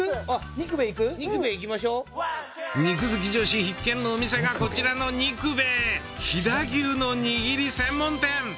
肉兵衛行きましょう肉好き女子必見のお店がこちらの肉兵衛飛騨牛のにぎり専門店！